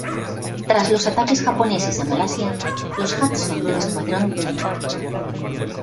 Tras los ataques japoneses a Malasia, los Hudson del Escuadrón No.